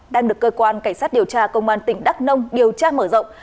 đang được cơ quan cảnh sát điều tra công an tỉnh đắk nông điều tra mở rộng